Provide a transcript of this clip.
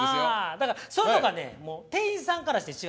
だからそういうとこはね店員さんからして違うから。